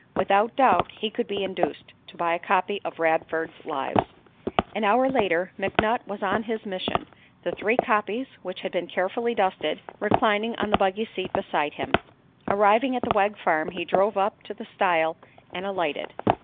Without doubt he could be induced to buy a copy of Radford's Lives. An hour later McNutt was on his mission, the three copies, which had been carefully dusted, reclining on the buggy seat beside him. Arrived at the Wegg farm, he drove up to the stile and alighted.